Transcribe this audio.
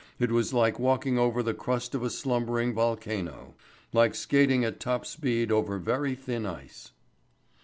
It was like walking over the crust of a slumbering volcano; like skating at top speed over very thin ice.